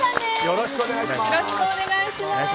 よろしくお願いします。